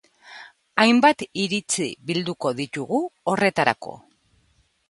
Hainbat iritzi bilduko ditugu horretarako.